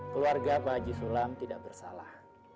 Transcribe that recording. keluarga pak haji sulam tidak bersalah